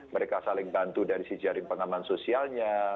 mereka saling bantu dari si jaring pengaman sosialnya